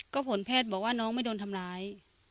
ก็ผลแพทย์บอกว่าน้องไม่โดนทำร้าย